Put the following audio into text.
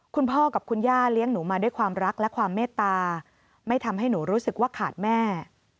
คุณพ่อกับคุณย่าเลี้ยงหนูมาด้วยความรักและความเมตตาไม่ทำให้หนูรู้สึกว่าขาดแม่